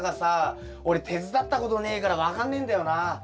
俺手伝ったことねえから分かんねえんだよな。